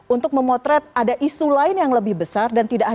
untuk memotret ada isu lain yang lebih besar dan itu adalah